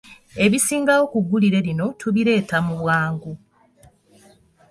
Ebisingawo ku ggulire lino, tubireeta mu bwangu.